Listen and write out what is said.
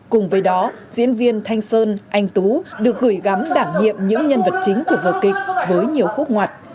cùng với đó diễn viên thanh sơn anh tú được gửi gắm đảm nhiệm những nhân vật chính của vở kịch với nhiều khúc ngoặt